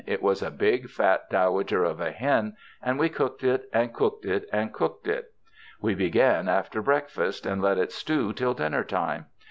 It was a big, fat dowager of a hen, and we cooked it and cooked it and cooked it. We began after break fast and let it stew till dinner time.